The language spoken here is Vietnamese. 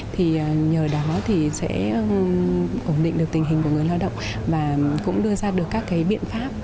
thì nhờ đó thì sẽ ổn định được tình hình của người lao động và cũng đưa ra được các cái biện pháp